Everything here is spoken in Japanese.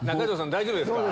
大丈夫ですか？